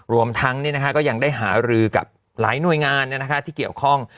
รวมทั้งก็ยังได้หารือกับหลายหน่วยงานที่เกี่ยวข้อง